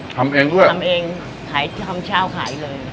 ๋อทำเองก็ทำเองขายขายทำเช่าขายเลย